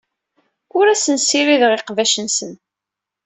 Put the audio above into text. Ur asen-ssirideɣ iqbac-nsen.